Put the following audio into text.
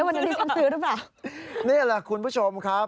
วันนี้ฉันซื้อหรือเปล่าคุณผู้ชมครับนี่แหละคุณผู้ชมครับ